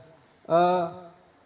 pengaruh yang membuat post pornom lain